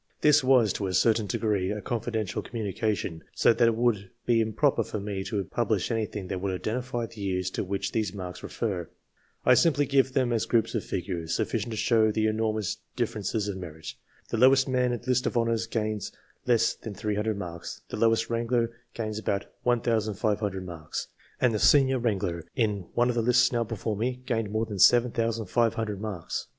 This was, to a certain degree, a confidential communication, so that it would be improper for me to publish anything that would identify the years to which these marks refer. I simply give them as groups of figures, sufficient to show the enormous differences of merit. The lowest man in the list of honours gains less than 300 marks; the lowest wrangler gains about 1,500 marks ; and the senior wrangler, in one of the lists now before me, gained more than 7,500 marks.